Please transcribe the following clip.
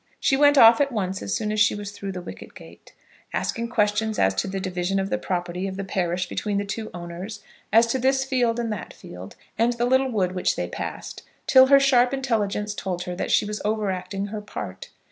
She went off at once as soon as she was through the wicket gate, asking questions as to the division of the property of the parish between the two owners, as to this field and that field, and the little wood which they passed, till her sharp intelligence told her that she was over acting her part.